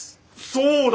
そうだ！